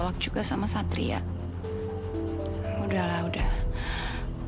dala juga sama satria udah udah mungkin emang lebih elafatan buat keberedieran lamanya